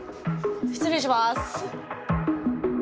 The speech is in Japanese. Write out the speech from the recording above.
失礼します。